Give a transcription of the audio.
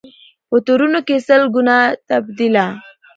په تورونو کي سل ګونه تپېدله